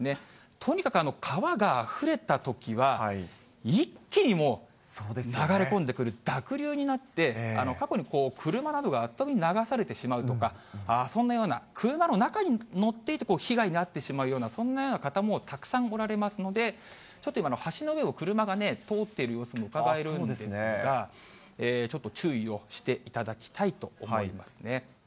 とにかく川があふれたときは、一気にもう流れ込んでくる、濁流になって、過去に車などがあっという間に流されてしまうとか、そんなような、車の中に乗っていて被害に遭ってしまうような、そんなような方もたくさんおられますので、ちょっと今、橋の上を車が通っている様子もうかがえるんですが、ちょっと注意をしていただきたいと思いますね。